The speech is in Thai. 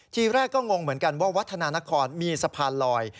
ทีแรกก็งงเหมือนกันว่าวัฒนานครมีสะพานลอย